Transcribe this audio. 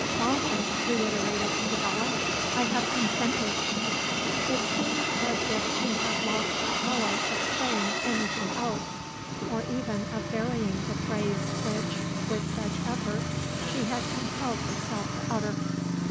"Father!" reiterated Isabella, "I have consented." It seemed as if she had lost the power of saying anything else, or even of varying the phrase which, with such effort, she had compelled herself to utter.